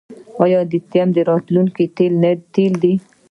آیا لیتیم د راتلونکي تیل دي؟